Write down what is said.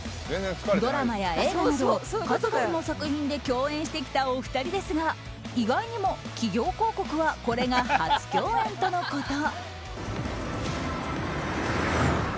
ドラマや映画など数々の作品で共演してきたお二人ですが意外にも企業広告はこれが初共演とのこと。